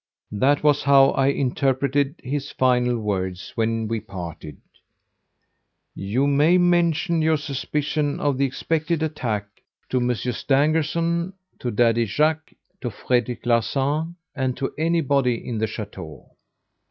That was how I interpreted his final words when we parted: 'You may mention your suspicions of the expected attack to Monsieur Stangerson, to Daddy Jacques, to Frederic Larsan, and to anybody in the chateau.